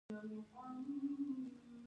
د سیندونو اوبه د بحرونو لور ته ځي.